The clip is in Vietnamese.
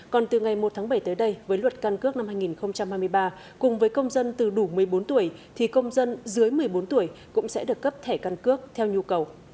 còn từ ngày một tháng bảy tới đây với luật căn cước năm hai nghìn hai mươi ba cùng với công dân từ đủ một mươi bốn tuổi thì công dân dưới một mươi bốn tuổi cũng sẽ được cấp thẻ căn cước theo nhu cầu